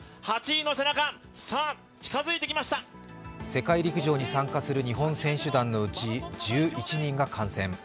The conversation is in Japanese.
世界陸上に参加する日本選手団のうち１１人が感染。